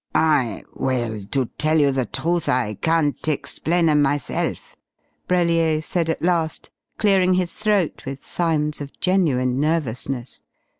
"I well, to tell you the truth, I can't explain 'em myself!" Brellier said at last, clearing his throat with signs of genuine nervousness.